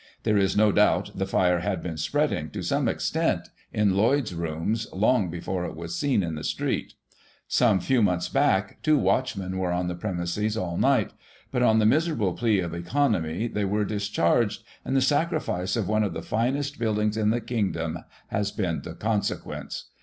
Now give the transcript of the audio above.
There is no doubt the fire had been spreading, to some extent, in Lloyd's rooms, long before it was seen in the street. Some few months back, two watchmen were on the premises all night, but, on the miserable plea of economy, they were dis charged, and the sacrifice of one of the finest buildings in the Kingdom has been the consequence.